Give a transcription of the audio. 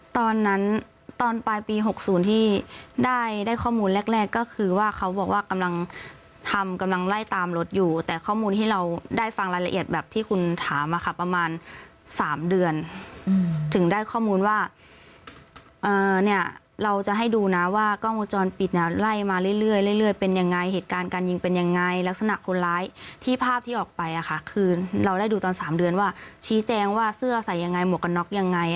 ตอนนั้นตอนปลายปีหกศูนย์ที่ได้ได้ข้อมูลแรกก็คือว่าเขาบอกว่ากำลังทำกำลังไล่ตามรถอยู่แต่ข้อมูลที่เราได้ฟังรายละเอียดแบบที่คุณถามมาค่ะประมาณสามเดือนถึงได้ข้อมูลว่าเนี่ยเราจะให้ดูนะว่ากล้องมูลจรปิดน่ะไล่มาเรื่อยเรื่อยเป็นยังไงเหตุการณ์การยิงเป็นยังไงลักษณะคนร้ายที่ภาพที่ออก